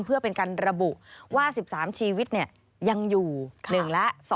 เพื่อเป็นการระบุว่า๑๓ชีวิตยังอยู่๑และ